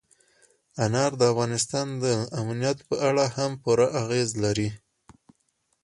انار د افغانستان د امنیت په اړه هم پوره اغېز لري.